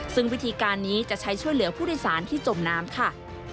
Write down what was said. ซึ่งวิธีการนี้จะใช้ช่วยเหลือผู้โดยสารที่จมน้ำค่ะ